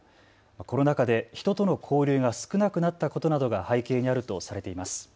コロナ禍で人との交流が少なくなったことなどが背景にあるとされています。